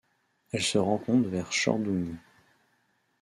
Elle se rencontre vers Chordung.